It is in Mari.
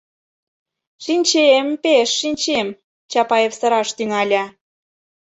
— Шинчем, пеш шинчем, — Чапаев сыраш тӱҥале.